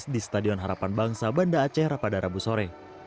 di stadion harapan bangsa banda aceh pada rabu sore